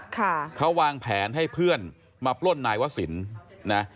ค่ะเขาวางแผนให้เพื่อนมาปล้นนายวศิลป์นะ